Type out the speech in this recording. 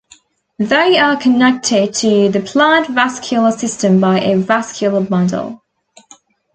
They are connected to the plant vascular system by a vascular bundle.